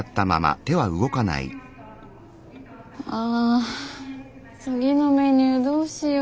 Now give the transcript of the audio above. あ次のメニューどうしよう。